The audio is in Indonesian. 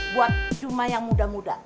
buat cuma yang muda muda